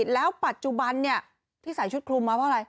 แล้วปัจจุบันที่ใส่ชุดคลุมมาเพราะอะไร